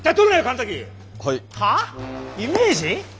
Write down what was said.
イメージ？